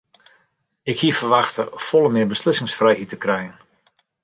Ik hie ferwachte folle mear beslissingsfrijheid te krijen.